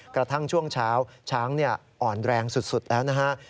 กระทั่งช่วงเช้าช้างอ่อนแรงสุดแล้วนะฮะ